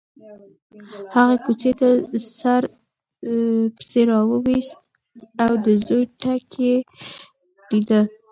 هغې کوڅې ته سر پسې وروایست او د زوی تګ یې لیده.